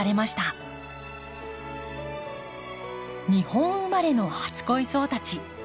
日本生まれの初恋草たち。